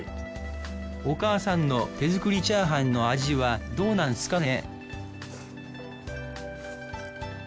お母さんの手作りチャーハンの味はどうなんすかね？